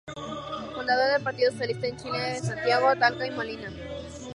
Fundador del Partido Socialista de Chile en Santiago, Talca y Molina.